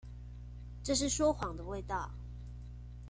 這是說謊的味道